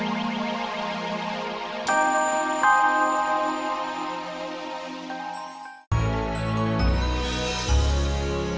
tenteng quantif itu